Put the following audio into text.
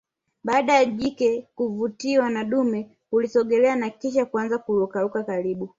Baada ya jike kuvutiwa na dume hulisogelelea na kisha kuanza kurukaruka karibu